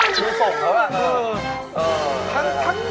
คิดยังค่ะคิดยัง